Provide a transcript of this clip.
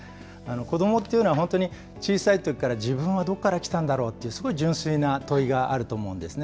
子どもっていうのは、本当に小さいときから自分はどこから来たんだろうって、すごい純粋な問いがあると思うんですね。